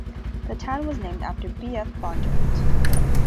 The town was named after Bf Bondurant.